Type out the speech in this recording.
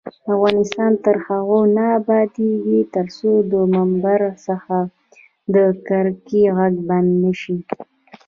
افغانستان تر هغو نه ابادیږي، ترڅو د ممبر څخه د کرکې غږ بند نشي.